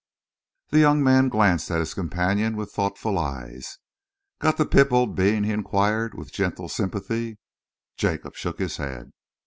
The young man glanced at his companion with thoughtful eyes. "Got the pip, old bean?" he enquired, with gentle sympathy. Jacob shook his head.